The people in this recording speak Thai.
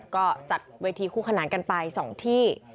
ก็จัดเวทีคู่ขนานกันไป๒ที่